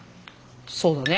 そうだね。